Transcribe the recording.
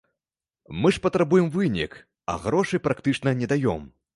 Мы ж патрабуем вынік, а грошай практычна не даём.